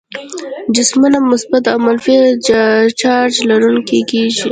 جسمونه مثبت او منفي چارج لرونکي کیږي.